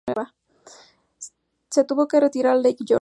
Se tuvo que retirar a Lake George.